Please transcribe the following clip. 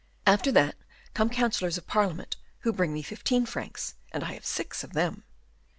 After that, come councilors of parliament, who bring me fifteen francs, and I have six of them."